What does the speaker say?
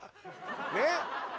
ねっ？